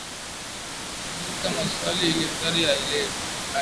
Alimwuliza maswali ilmradi aelewe